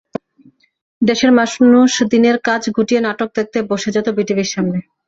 দেশের মানুষ দিনের কাজ গুটিয়ে নাটক দেখতে বসে যেত বিটিভির সামনে।